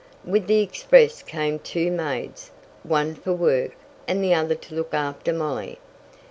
With the express came two maids, one for work, and the other to look after Molly.